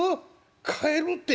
帰るって？